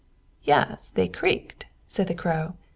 "Yes, they creaked," said the Crow.